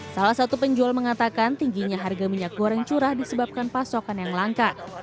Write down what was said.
salah satu penjual mengatakan tingginya harga minyak goreng curah disebabkan pasokan yang langka